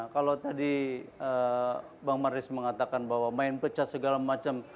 kalau tadi bang marlis mengatakan bahwa main pecah segala macam